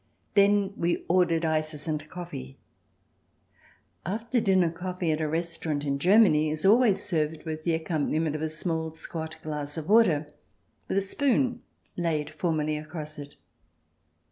Then we ordered ices and coffee. After dinner coffee at a restaurant in Germany is always served with the accompaniment of a small squat glass of water, with a spoon laid formally across it.